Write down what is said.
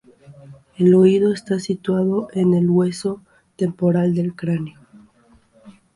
El oído está situado en el hueso temporal del cráneo.